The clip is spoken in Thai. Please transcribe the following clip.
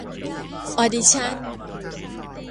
ออดิชั่น